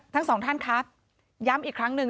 ทั้งสองท่านครับย้ำอีกครั้งหนึ่ง